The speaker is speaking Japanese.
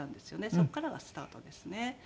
そこからがスタートですね。